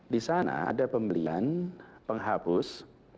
di sana ada pembelian penghapus